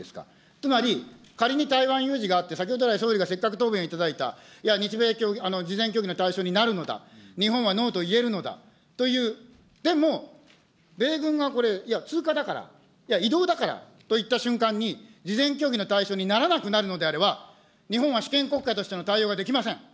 つまり、仮に台湾有事があって、先ほど来総理がせっかく答弁いただいた、いや、事前協議の対象になるのだ、日本はノーと言えるのだという、でも米軍がこれ、いや、通過だから、いや、移動だからと言った瞬間に、事前協議の対象にならなくなるのであれば、日本は主権国家としての対応はできません。